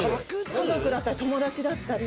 家族だったり友達だったり。